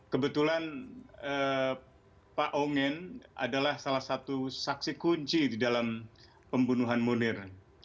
kebetulan pak ongen adalah salah satu saksi kunci di dalam pembunuhan munir